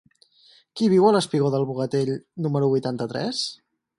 Qui viu al espigó del Bogatell número vuitanta-tres?